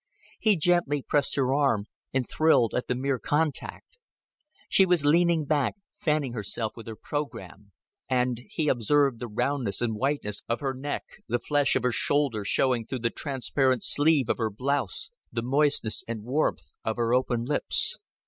He gently pressed her arm, and thrilled at the mere contact. She was leaning back, fanning herself with her program, and he observed the roundness and whiteness of her neck, the flesh of her shoulder showing through the transparent sleeve of her blouse, the moistness and warmth of her open lips.